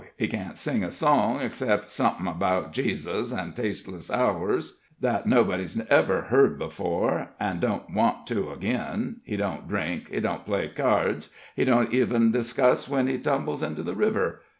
He can't sing a song, except somethin' about 'Tejus an' tasteless hours,' that nobody ever heard before, an' don't want to agin; he don't drink, he don't play keards, he don't even cuss when he tumbles into the river.